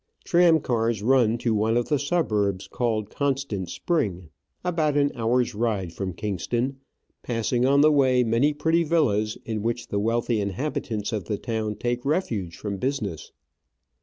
Tram cars run to one of the suburbs called Con stant Spring, about an hours ride from Kingston, passing on the way many pretty villas, in which the wealthy inhabitants of the town take refuge from business.